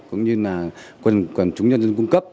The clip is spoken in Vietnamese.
cũng như là quần chúng nhân dân cung cấp